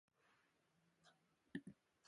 Àtsə̀ʼə̀ yî fwɛ̀ a wo mə tsɔ̀ʼɔ̀.